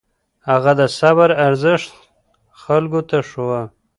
هغه د صبر ارزښت خلکو ته ښووه.